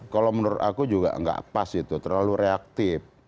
kalau menurut aku juga nggak pas itu terlalu reaktif